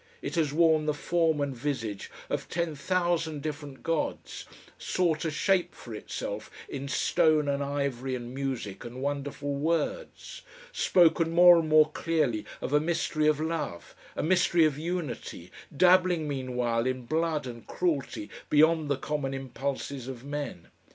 It has worn the form and visage of ten thousand different gods, sought a shape for itself in stone and ivory and music and wonderful words, spoken more and more clearly of a mystery of love, a mystery of unity, dabbling meanwhile in blood and cruelty beyond the common impulses of men.